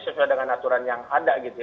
sesuai dengan aturan yang ada gitu ya